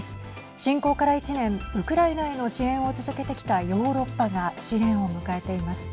侵攻から１年ウクライナへの支援を続けてきたヨーロッパが試練を迎えています。